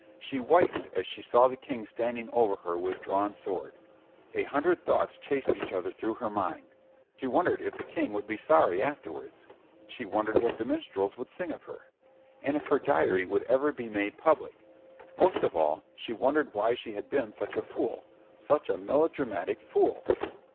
She whitened as she saw the King standing over her with drawn sword. A hundred thoughts chased each other through her mind. She wondered if the King would be sorry afterwards; she wondered what the minstrels would sing of her, and if her diary would ever be made public; most of all she wondered why she had been such a fool, such a melodramatic fool.